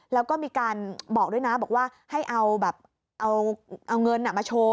แล้วก็มีการบอกด้วยนะบอกว่าให้เอาแบบเอาเงินมาโชว์